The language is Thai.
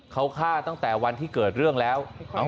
เขาฆ่าตั้งแต่วันที่เกิดเรื่องแล้ว